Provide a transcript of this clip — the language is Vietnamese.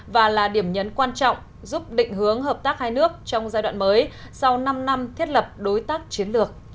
và là điểm nhấn quan trọng giúp định hướng hợp tác hai nước trong giai đoạn mới sau năm năm thiết lập đối tác chiến lược